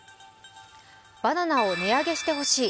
バナナを値上げしてほしい。